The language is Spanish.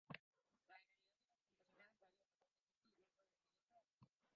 La calidad de las composiciones varía notablemente, yendo de la mediocre a la excelente.